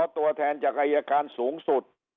ตัวแทนจากอายการสูงสุด